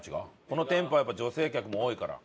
この店舗やっぱ女性客も多いから。